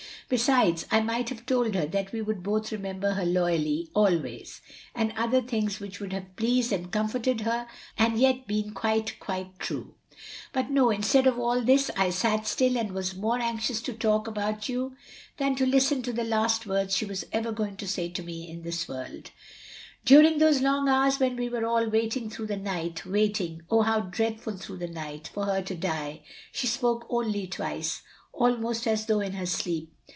Besides I might have told her that we would both remember her loyally always^ and other things which would have pleased and comforted her and yet been quite quite true. ''But, no, instead of all this I sat still and xiHis more anxious to talk about you than to listen to the last words she was ever going to say to me in this world, "During those long hours when we were all waiting through the night; waiting — oh how dreadful — through the night — for her to die — she spoke only twice, almost as though in her sleep.